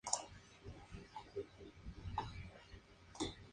Existen escuelas de formación profesional en todo el estado.